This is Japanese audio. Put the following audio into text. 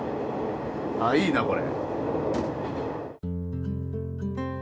あいいなこれ。